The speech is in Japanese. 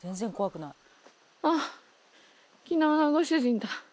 あっ昨日のご主人だ。